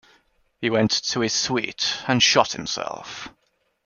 He went to his suite and shot himself.